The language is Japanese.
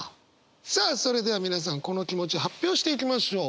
さあそれでは皆さんこの気持ち発表していきましょう。